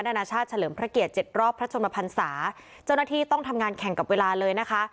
นานาชาติเฉลิมพระเกียรติเจ็ดรอบพระชนมพันศาเจ้าหน้าที่ต้องทำงานแข่งกับเวลาเลยนะคะ